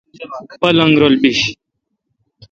پلنگ رل بیش۔